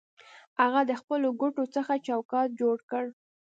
هغه د خپلو ګوتو څخه چوکاټ جوړ کړ